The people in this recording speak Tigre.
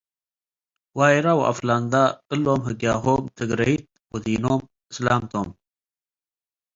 ዋይረ ወአፍለንደ፤ እሎም ህግያሆም ትግረይት ወዲኖም እስላም ቶም ።